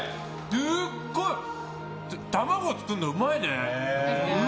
すっごい卵作るのうまいね。